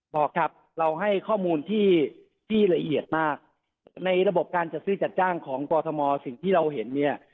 บอกครับเราให้ข้อมูลที่ที่ละเอียดมากในระบบการจัดซื้อจัดจ้างของกรทมสิ่งที่เราเห็นเนี่ย